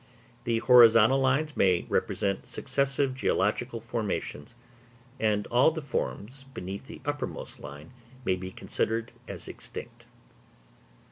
The horizontal lines may represent successive geological formations, and all the forms beneath the uppermost line may be considered as extinct.